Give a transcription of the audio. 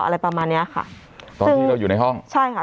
อะไรประมาณเนี้ยค่ะตอนที่เราอยู่ในห้องใช่ค่ะ